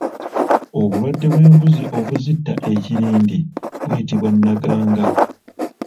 Obulwadde bw’embuzi obuzitta ekirindi buyitibwa Naganga.